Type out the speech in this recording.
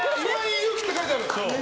勇気って書いてある！